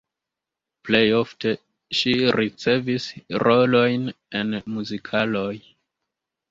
Plej ofte ŝi ricevis rolojn en muzikaloj.